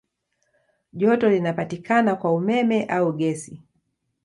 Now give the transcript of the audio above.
Joto linapatikana kwa umeme au gesi.